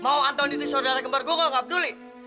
mau anthony itu saudara kembar gua gak gak peduli